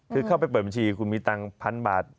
คือเข้าไปเปิดบัญชีคุณมีตังค์๑๐๐บาท